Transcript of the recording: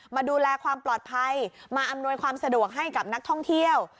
มาอำนวยความสะดวกให้กับนักท่องเที่ยว